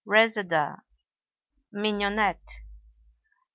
RESEDA (MIGNONETTE).